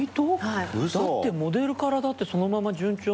だってモデルからそのまま順調に。